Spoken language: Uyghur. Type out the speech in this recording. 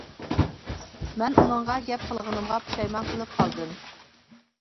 مەن ئۇنىڭغا گەپ قىلغىنىمغا پۇشايمان قىلىپ قالدىم.